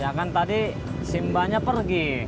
ya kan tadi simbanya pergi